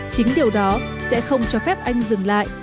chính điều đó sẽ không cho phép anh dừng lại